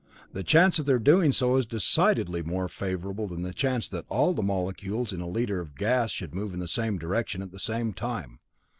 The chance of their doing so is decidedly more favorable than the chance that all the molecules in a liter of gas should move in the same direction at the same time.'